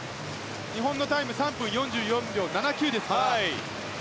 日本のタイム３分４４秒７９ですから。